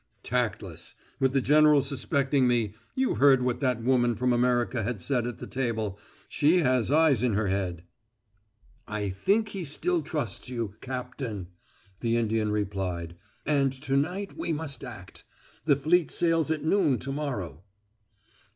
"Tactless! With the general suspecting me you heard what that woman from America said at the table she has eyes in her head!" "I think he still trusts you, Cap tain," the Indian replied. "And to night we must act. The fleet sails at noon to morrow."